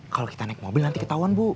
kalau kita naik mobil nanti ketahuan bu